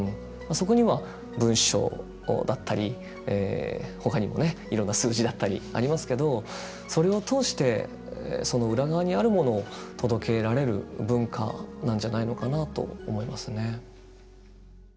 そこには文章だったりほかにもねいろんな数字だったりありますけどそれを通してその裏側にあるものを届けられる文化なんじゃないのかなと思いますね。